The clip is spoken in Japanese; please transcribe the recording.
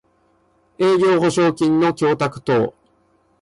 営業保証金の供託等